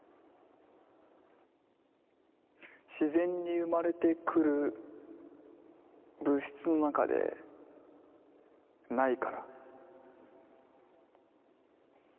自然に生まれてくる物質の中でないから。